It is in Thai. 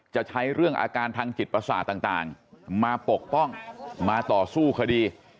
จะใช้เรื่องอาการทางจิตประสาทต่างมาปกป้องมาต่อสู้คดี